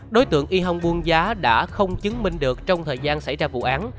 đối tượng y hồng buôn giá đã không chứng minh được trong thời gian xảy ra vụ án